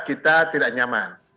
kita tidak nyaman